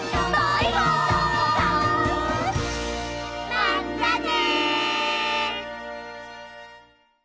まったね！